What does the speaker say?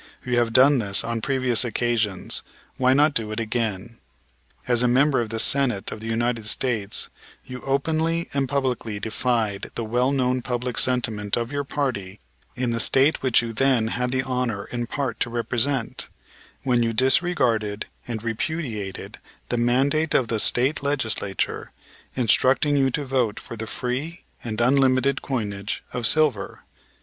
You have done this on previous occasions, why not do it again? As a member of the Senate of the United States you openly and publicly defied the well known public sentiment of your party in the State which you then had the honor in part to represent, when you disregarded and repudiated the mandate of the State Legislature, instructing you to vote for the free and unlimited coinage of silver.